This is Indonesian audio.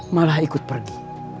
malah ikut pergi